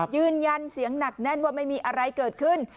ยืนยันเสียงหนักแน่นว่าไม่มีอะไรเกิดขึ้น